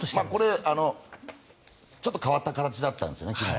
ちょっと変わった形だったんですね。